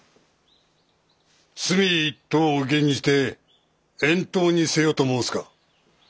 罪一等を減じて遠島にせよと申すか。